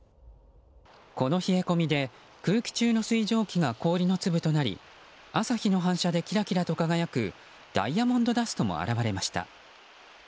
この冷え込みで空気中の水蒸気が氷の粒となり朝日の反射でキラキラと輝くダイヤモンドダストも現れました。